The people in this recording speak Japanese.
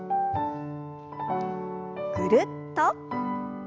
ぐるっと。